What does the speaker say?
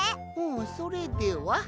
それでは。